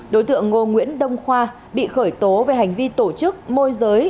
đối tượng ngô nguyễn đông khoa bị khởi tố về hành vi tổ chức môi giới